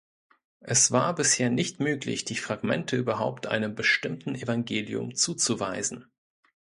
Es war bisher nicht möglich die Fragmente überhaupt einem bestimmten Evangelium zuzuweisen.